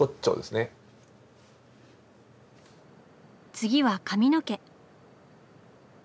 次は髪の毛。